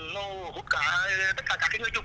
nó hút cả tất cả các người dục